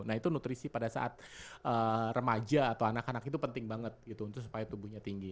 nah itu nutrisi pada saat remaja atau anak anak itu penting banget gitu untuk supaya tubuhnya tinggi